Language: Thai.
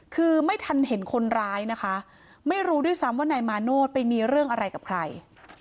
คือไม่ทันเห็นคนร้ายนะคะไม่รู้ด้วยซ้ำว่านายมาโนธไปมีเรื่องอะไรกับใคร